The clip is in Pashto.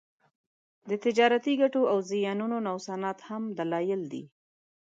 د تجارتي ګټو او زیانونو نوسانات هم دلایل دي